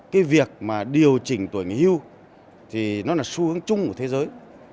cái việc mà điều chỉnh tuổi nghỉ hưu thì nó là xu hướng chung của thế giới